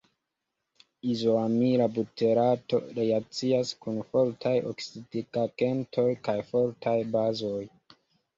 Izoamila buterato reakcias kun fortaj oksidigagentoj kaj fortaj bazoj.